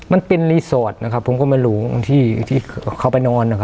มันเป็นรีสอร์ทนะครับผมก็ไม่รู้ที่เขาไปนอนนะครับ